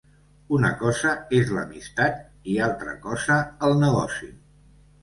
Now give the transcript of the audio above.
Una cosa és l'amistat i altra cosa el negoci.